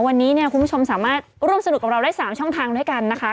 วันนี้เนี่ยคุณผู้ชมสามารถร่วมสนุกกับเราได้๓ช่องทางด้วยกันนะคะ